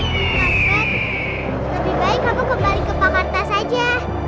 pak karpet lebih baik aku kembali ke pak karta saja